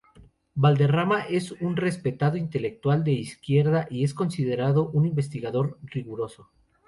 Valderrama es un respetado intelectual de izquierda y es considerado un investigador riguroso.